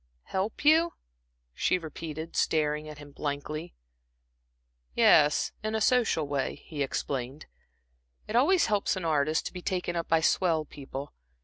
"Help you?" she repeated, staring at him blankly. "Yes, in a social way," he explained. "It always helps an artist to be taken up by swell people.